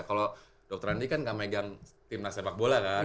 kalau dokter andi kan gak megang tim nasi sepak bola kan